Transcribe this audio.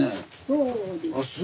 そうです。